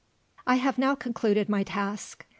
I have now concluded my task.